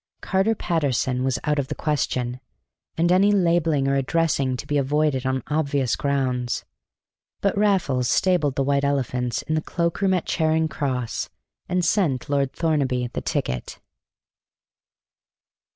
Carter Paterson was out of the question, and any labelling or addressing to be avoided on obvious grounds. But Raffles stabled the white elephants in the cloak room at Charing Cross and sent Lord Thornaby the ticket.